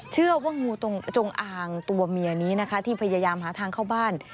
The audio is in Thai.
เชื่อว่างูจงอางตัวเมียนี้นะคะที่พยายามหาทางเข้าบ้าน